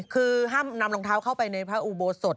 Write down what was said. คือห้ามนำรองเท้าเข้าไปในพระอุโบสถ